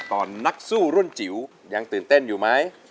นักสู้รุ่นจิ๋วยังตื่นเต้นอยู่ไหม